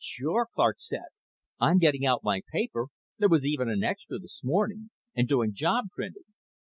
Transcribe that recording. "Sure," Clark said. "I'm getting out my paper there was even an extra this morning and doing job printing.